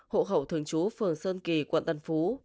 hộ khẩu thường trú phường sơn kỳ quận tân phú